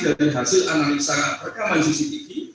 dan hasil analisa rekaman cctv